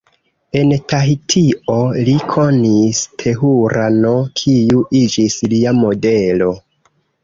En Tahitio, li konis Tehura-n, kiu iĝis lia modelo.